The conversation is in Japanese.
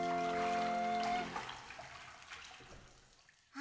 あ！